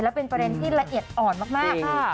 และเป็นประเด็นที่ละเอียดอ่อนมากค่ะ